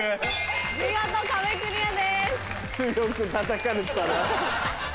見事壁クリアです。